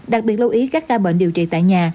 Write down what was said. đặc biệt lưu ý các ca bệnh điều trị tại nhà